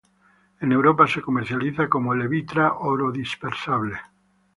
En Europa se comercializa como Levitra-Orodispersable.